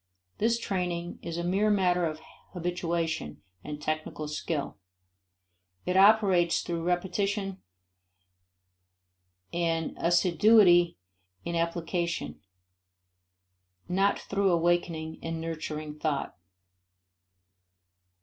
This training is a mere matter of habituation and technical skill; it operates through repetition and assiduity in application, not through awakening and nurturing thought.